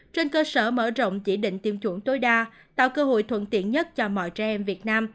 trên cơ sở mở rộng chỉ định tiêm chủng tối đa tạo cơ hội thuận tiện nhất cho mọi trẻ em việt nam